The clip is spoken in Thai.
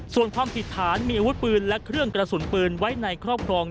ส่วนความผิดฐานมีอาวุธปืนและเครื่องกระสุนปืนไว้ในครอบครอง